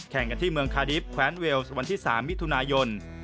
แข่งกันที่เมืองคาดิฟต์แควนเวลส์วันที่๓มิถุนายน